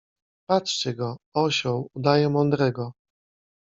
Patrzcie go: osioł, udaje mądrego.